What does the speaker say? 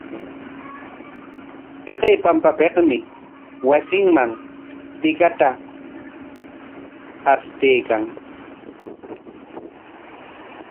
Taqay pampapikmi wasinman tikata ashtaykan.